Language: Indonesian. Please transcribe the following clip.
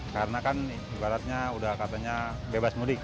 karena kan baratnya udah katanya bebas mudik